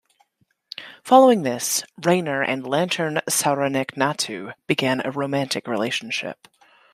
Following this, Rayner and Lantern Soranik Natu began a romantic relationship.